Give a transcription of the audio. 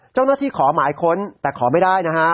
เจ้าหน้าที่ขอหมายค้นแต่ขอไม่ได้นะครับ